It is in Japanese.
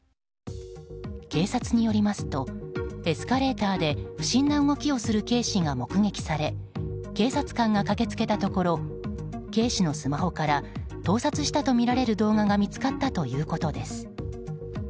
警察によりますとエスカレーターで不審な動きをする警視が目撃され警察官が駆け付けたところ警視のスマホから盗撮したとみられる動画が見つかったということです。